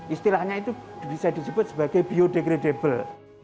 istilahnya itu bisa disebut sebagai biodegradable